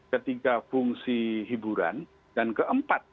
ketiga fungsi hiburan dan keempat